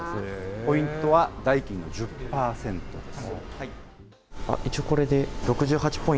ポイントは代金の１０％です。